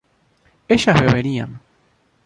ellas beberían